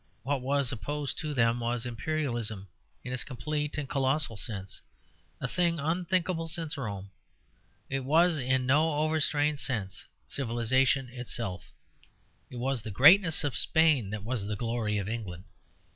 What was opposed to them was Imperialism in its complete and colossal sense, a thing unthinkable since Rome. It was, in no overstrained sense, civilization itself. It was the greatness of Spain that was the glory of England.